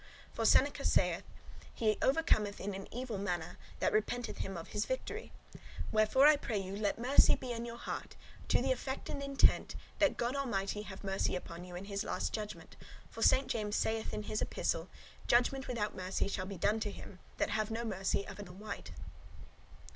For Seneca saith, 'He overcometh in an evil manner, that repenteth him of his victory.' Wherefore I pray you let mercy be in your heart, to the effect and intent that God Almighty have mercy upon you in his last judgement; for Saint James saith in his Epistle, 'Judgement without mercy shall be done to him, that hath no mercy of another wight.